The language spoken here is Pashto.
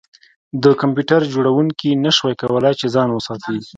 د کمپیوټر جوړونکي نشوای کولی چې ځان وساتي